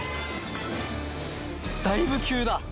だいぶ急だ！